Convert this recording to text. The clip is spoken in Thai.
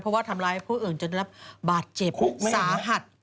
เพราะว่าทำร้ายผู้อื่นจนได้รับบาดเจ็บสาหัส